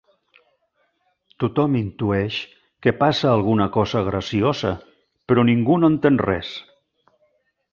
Tothom intueix que passa alguna cosa graciosa, però ningú no entén res.